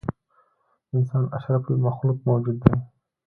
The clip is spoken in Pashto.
انسان اشرف المخلوق موجود دی.